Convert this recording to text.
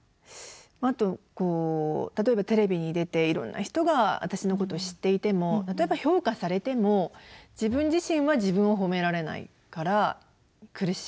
あと例えばテレビに出ていろんな人が私のことを知っていても例えば評価されても自分自身は自分を褒められないから苦しい。